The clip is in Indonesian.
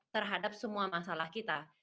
terhadap semua masalah kita